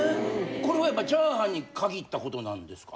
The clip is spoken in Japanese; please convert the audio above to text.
これはやっぱりチャーハンに限った事なんですか。